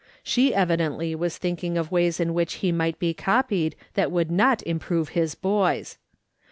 She evidently was thinking of ways in which he might be copied that would not improve his boys.